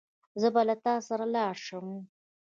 زه به له تا سره لاړ شم.